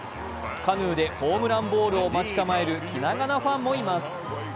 カヌーでホームランボールを待ち構える気長なファンもいます。